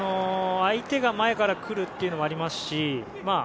相手が前から来るというのもありますし